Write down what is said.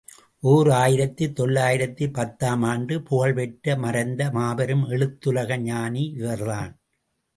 ஓர் ஆயிரத்து தொள்ளாயிரத்து பத்து ஆம் ஆண்டு புகழ் பெற்று மறைந்த மாபெரும் எழுத்துலக ஞானி இவர்தான்.